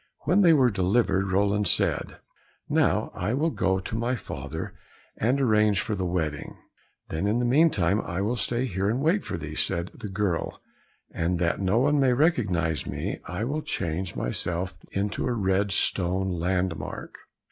When they were delivered, Roland said, "Now I will go to my father and arrange for the wedding." "Then in the meantime I will stay here and wait for thee," said the girl, "and that no one may recognize me, I will change myself into a red stone land mark."